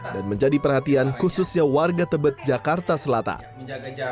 dan menjadi perhatian khususnya warga tebet jakarta selatan